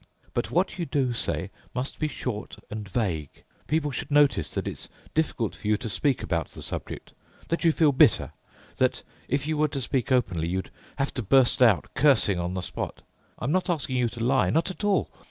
But what you do say must be short and vague. People should notice that it's difficult for you to speak about the subject, that you feel bitter, that, if you were to speak openly, you'd have to burst out cursing on the spot. I'm not asking you to lie, not at all.